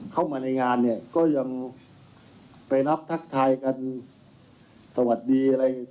เข้ามาในงานเนี่ยก็ยังไปรับทักทายกันสวัสดีอะไร